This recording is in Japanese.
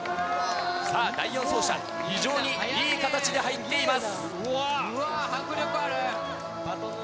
さあ、第４走者、非常にいい形で入っています。